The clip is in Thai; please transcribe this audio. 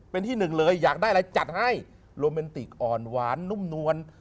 เป็นที่หนึ่งเลยอยากได้อะไรจัดให้โรแมนติกอ่อนหวานนุ่มนวล